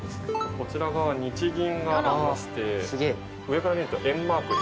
こちらが日銀がありまして上から見ると円マークに。